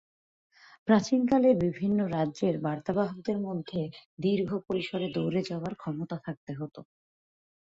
প্রাচীনকালে বিভিন্ন রাজ্যের বার্তাবাহকদের মধ্যে দীর্ঘ পরিসরে দৌড়ে যাওয়ার ক্ষমতা থাকতে হতো।